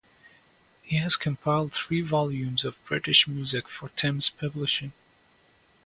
He has compiled three volumes of British music for Thames Publishing.